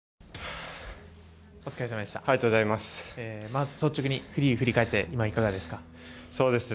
まず率直にフリーを振り返って今、いかがですか？